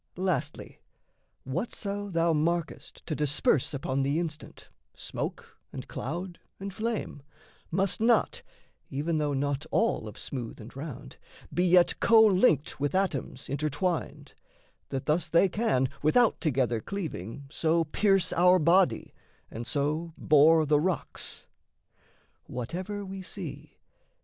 Lastly, whatso thou markest to disperse Upon the instant smoke, and cloud, and flame Must not (even though not all of smooth and round) Be yet co linked with atoms intertwined, That thus they can, without together cleaving, So pierce our body and so bore the rocks. Whatever we see...